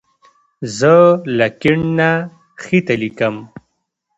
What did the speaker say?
زه له کیڼ نه ښي ته لیکم.